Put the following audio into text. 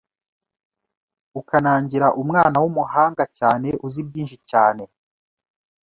ukanagira umwana w’umuhanga cyane uzi byinshi cyane